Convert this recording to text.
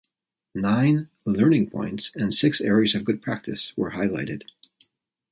Nine "learning points" and six areas of good practice were highlighted.